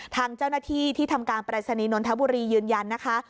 ทางเจ้าหน้าที่ที่ทำการปรายศนีย์นนทบุรียืนยันนะคะ